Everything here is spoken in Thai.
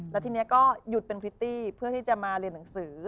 แล้วทีนี้ก็หยุดเป็นพริตตี้เพื่อที่จะมาเรียนหนังสือ